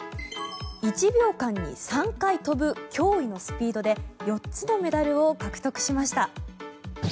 １秒間に３回跳ぶ驚異のスピードで４つのメダルを獲得しました。